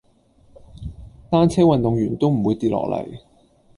單車運動員都唔會跌落嚟